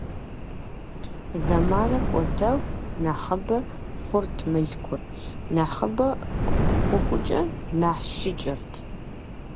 Зэманыр кӀуэтэху нэхъыбэ хъурт Мылъкур, нэхъыбэ хъухукӀэ нэхъ щыкӀырт.